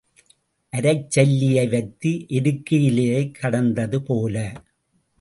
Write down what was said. அரைச் சல்லியை வைத்து எருக்கு இலையைக் கடந்ததுபோல.